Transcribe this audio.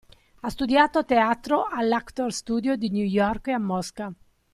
Ha studiato teatro all'actor's studio di New York e a Mosca.